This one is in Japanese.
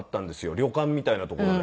旅館みたいなところで。